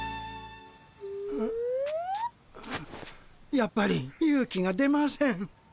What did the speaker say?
やっぱり勇気が出ません。